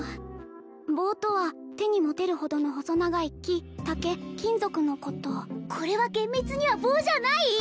棒とは手に持てるほどの細長い木・竹・金属のことこれは厳密には棒じゃない！？